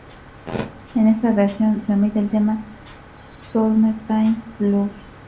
En esta versión se omite el tema "Summertime Blues".